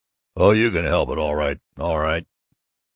"Oh, you can help it, all right, all right!